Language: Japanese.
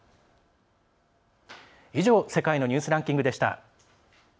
以上「世界のニュースランキング」でした。